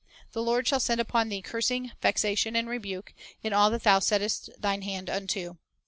"The Lord shall send upon thee cursing, vexation, and re buke, in all that thou settest thine hand unto."